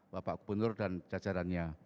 bapak gubernur dan jajarannya